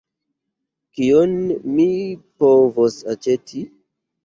Kion mi povos aĉeti?